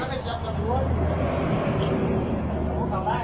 ตัวเมียตัวเมียตัวเมีย